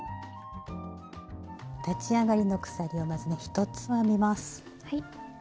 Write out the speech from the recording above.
立ち上がりの鎖をまずね１つ編みます。